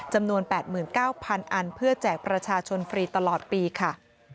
จำนวน๘๙๐๐อันเพื่อแจกประชาชนฟรีตลอดปีค่ะ